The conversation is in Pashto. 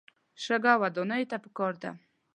شګه ودانیو ته پکار ده.